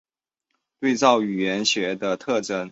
对照语言学的特征。